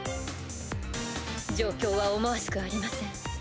状況は思わしくありません。